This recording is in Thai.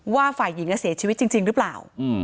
ฝ่ายหญิงเสียชีวิตจริงหรือเปล่า